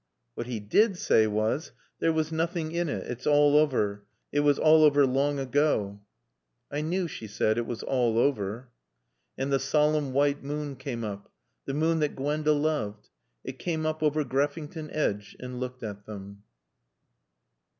What he did say was, "There was nothing in it. It's all over. It was all over long ago." "I knew," she said, "it was all over." And the solemn white moon came up, the moon that Gwenda loved; it came up over Greffington Edge and looked at them.